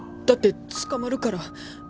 だって捕まるから。